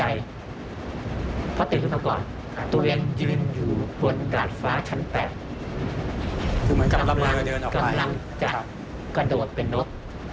อีกครั้งครึ่ง